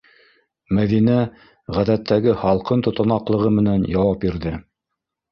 Мәҙинә ғәҙәттәге һалҡын тотанаҡлығы менән яуап бирҙе: